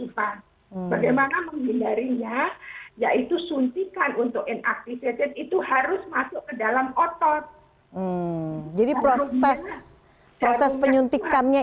vaksin sinovac itu isinya apa